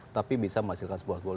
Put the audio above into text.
tapi bisa menghasilkan sebuah goal